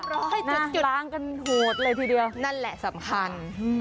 เรียบร้อยล้างกันโหดเลยทีเดียวนั่นแหละสำคัญ